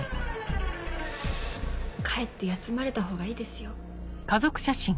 帰って休まれたほうがいいですよ。